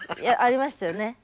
いやありましたよね。